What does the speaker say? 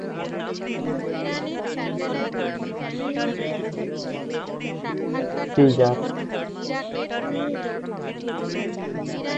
Caesar আন্তর্জাতিক ক্রীড়াঙ্গনে বাংলাদেশ ও মার্কিন যুক্তরাষ্ট্রের দ্বৈত নাগরিকত্ব লাভ করে প্রতিদ্বন্দ্বিতা করছেন।